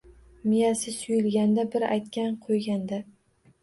Miyasi suyulganda bir aytgan-qo‘ygan-da.